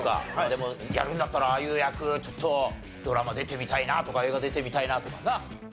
でもやるんだったらああいう役ちょっとドラマ出てみたいなとか映画出てみたいなとかなあるだろうし。